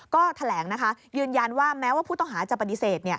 ก็แถลงนะคะยืนยันว่าแม้ว่าผู้ต้องหาจะปฏิเสธ